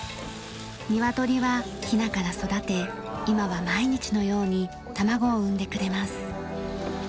ニワトリはひなから育て今は毎日のように卵を産んでくれます。